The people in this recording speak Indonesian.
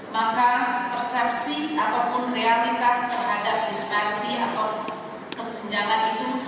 maka persepsi ataupun realitas terhadap disperity atau kesenjangan itu